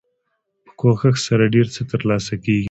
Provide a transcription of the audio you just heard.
په کوښښ سره ډیر څه تر لاسه کیږي.